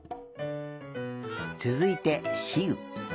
つづいてしう。